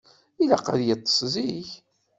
Ilaq ad yeṭṭes zik.